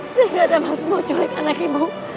saya gak ada maksud mau menculik anak ibu